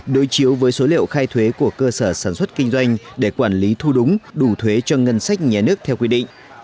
đối chiếu với số liệu khai thuế của cơ sở sản xuất kinh doanh để quản lý thu đúng đủ thuế cho ngân sách nhà nước theo quy định